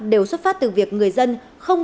đều xuất phát từ việc người dân không